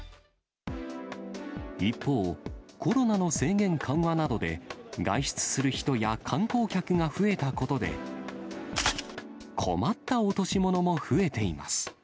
一方、コロナの制限緩和などで、外出する人や観光客が増えたことで、困った落とし物も増えています。